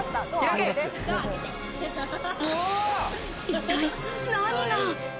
一体何が？